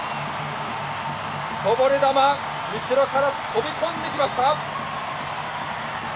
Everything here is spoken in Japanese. こぼれ球、後ろから飛び込んできました！